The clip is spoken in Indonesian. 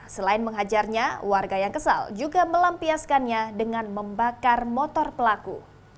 selain menghajarnya warga yang kesal juga melampiaskannya dengan membakar motor pelaku